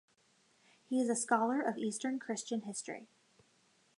He is a scholar of Eastern Christian history.